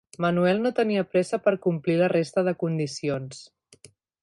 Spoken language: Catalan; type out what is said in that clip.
Manuel no tenia pressa per complir la resta de condicions.